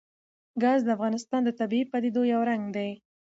ګاز د افغانستان د طبیعي پدیدو یو رنګ دی.